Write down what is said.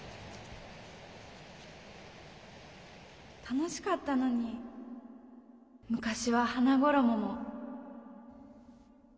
楽しかったのに昔は花ごろもも。